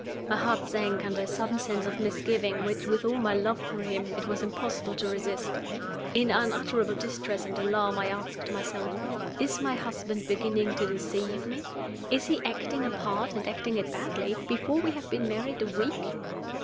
My heart sank under a sudden sense of misgiving which, with all my love for him, it was impossible to resist. In unutterable distress and alarm I asked myself, "Is my husband beginning to deceive me? is he acting a part, and acting it badly, before we have been married a week?"